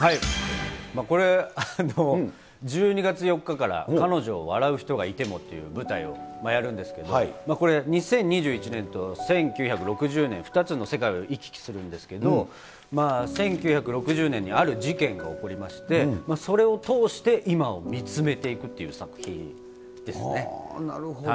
これ、あの、１２月４日から、彼女を笑う人がいてもっていう舞台をやるんですけど、これ、２０２１年と１９６０年、２つの世界を行き来するんですけど、１９６０年にある事件が起こりまして、それを通して今を見つめてなるほど。